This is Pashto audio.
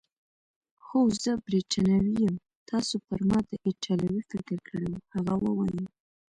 هو، زه بریتانوی یم، تاسي پر ما د ایټالوي فکر کړی وو؟ هغه وویل.